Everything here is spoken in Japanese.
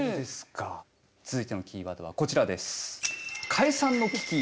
続いてのキーワードはこちらです。